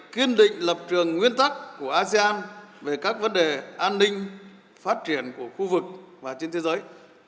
kiên định lập trường nguyên tắc của asean về các vấn đề an ninh phát triển của khu vực và trên thế giới